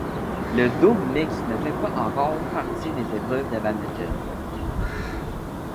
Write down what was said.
Le double mixte ne fait pas encore partie des épreuves de badminton.